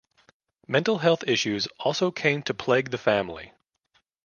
Mental health issues also came to plague the family.